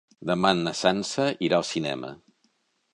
Demà na Sança irà al cinema.